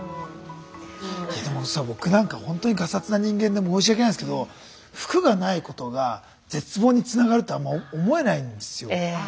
僕なんかほんとにがさつな人間で申し訳ないんですけど服がないことが絶望につながるってあんま思えないんですよ。